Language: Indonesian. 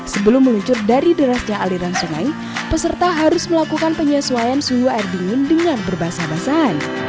sebelum meluncur dari derasnya aliran sungai peserta harus melakukan penyesuaian suhu air dingin dengan berbasah basahan